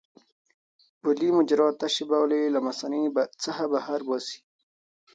بولي مجرا تشې بولې له مثانې څخه بهر باسي.